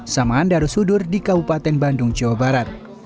samaan darussudur di kabupaten bandung jawa barat